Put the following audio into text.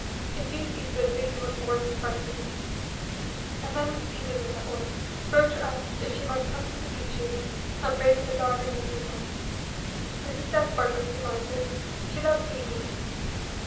In due season Baby was born and christened; and then Miss Eden, that was, wrote to ask if she might come to the Beeches, and bring the darling little one. Mrs. Despard was delighted. She loved babies.